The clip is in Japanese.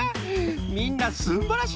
みんなすんばらしい